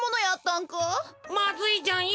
まずいじゃんよ。